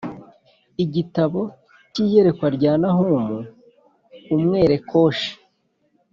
Igitabo cy’iyerekwa rya Nahumu Umwelekoshi